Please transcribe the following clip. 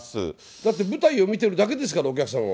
だって舞台を見てるだけですから、お客さんは。